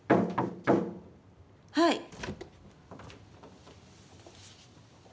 はい。